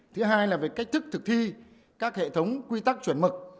thứ hai là về cách thức thực thi các hệ thống quy tắc chuẩn mực